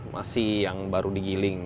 masih yang baru digiling